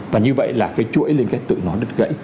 và như vậy là cái chuỗi liên kết tự nó đứt gãy